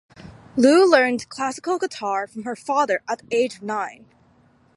Loo learned classical guitar from her father at the age of nine.